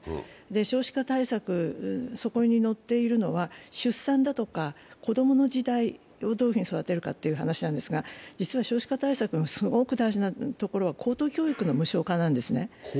少子化対策、そこに載っているのは出産ですとか子供の時代をどういうふうに育てるかというところなんですが実は少子化対策のすごく大事なところは高等教育の無償化なんですね。